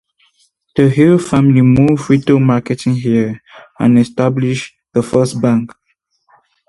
The Hill family moved retail marketing here and established the first bank.